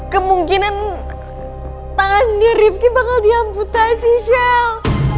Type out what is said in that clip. kemungkinan tangannya rifki bakal di amputasi shell